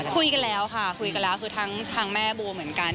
คุยกันแล้วค่ะคุยกันแล้วคือทั้งแม่โบเหมือนกัน